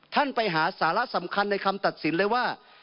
ท่านไปหาสาระสำคัญในคำตัดสินเลยว่า